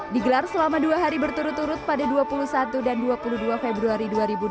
digelar selama dua hari berturut turut pada dua puluh satu dan dua puluh dua februari dua ribu dua puluh